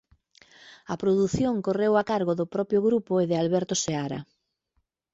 A produción correu a cargo do propio grupo e de Alberto Seara.